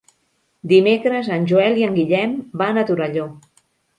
Dimecres en Joel i en Guillem van a Torelló.